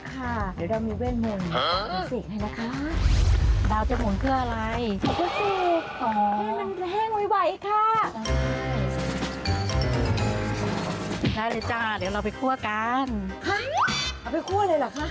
ควันเข้าตาม